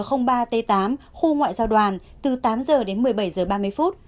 khu ngoại giao đoàn từ tám giờ đến một mươi bảy giờ ba mươi phút